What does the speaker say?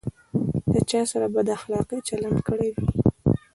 له چا سره په بد اخلاقي چلند کړی وي.